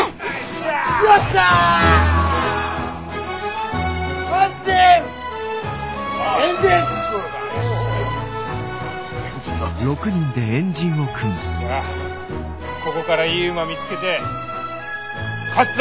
じゃあここからいい馬見つけて勝つぞ！